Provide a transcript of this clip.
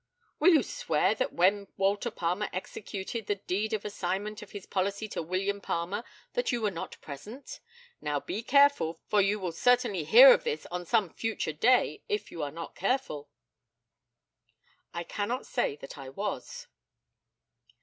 Will you swear that when Walter Palmer executed the deed of assignment of his policy to William Palmer, that you were not present? Now, be careful, for you will certainly hear of this on some future day if you are not careful. I cannot say that I was.